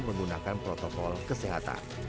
menggunakan protokol kesehatan